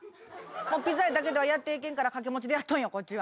ピザ屋だけではやっていけんから掛け持ちでやっとんよこっちは。